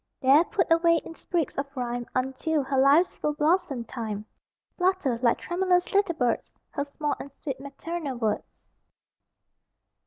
There, put away in sprigs of rhyme Until her life's full blossom time, Flutter (like tremulous little birds) Her small and sweet maternal words.